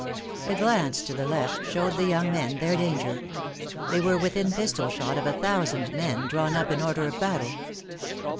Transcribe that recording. * A glance to the left showed the young men their danger: they were within pistol shot of a thousand men drawn up in order of battle.